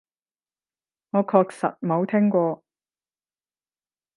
我確實冇聽過